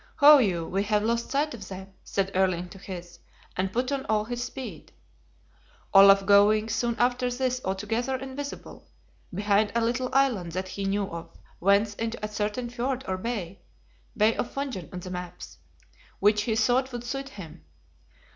"Ho you, we have lost sight of them!" said Erling to his, and put on all his speed; Olaf going, soon after this, altogether invisible, behind a little island that he knew of, whence into a certain fjord or bay (Bay of Fungen on the maps), which he thought would suit him.